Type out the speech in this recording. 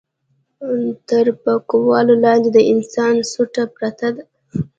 تر پکول لاندې د انسان سوټه پرته ده.